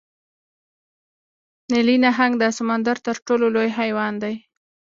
نیلي نهنګ د سمندر تر ټولو لوی حیوان دی